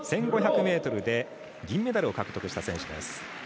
１５００ｍで銀メダルを獲得した選手です。